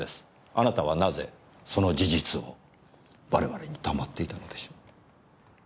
あなたはなぜその事実を我々に黙っていたのでしょう？